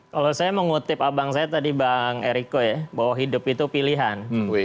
kalau saya mengutip abang saya tadi bang eriko ya bahwa hidup itu pilihan